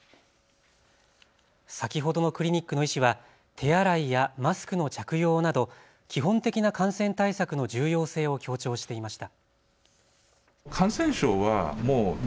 先ほどのクリニックの医師は手洗いやマスクの着用など基本的な感染対策の重要性を強調していました。